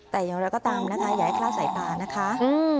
แต่อย่างไรก็ตามนะคะอย่าให้คลาดสายตานะคะ